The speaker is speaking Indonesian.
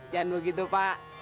jangan begitu pak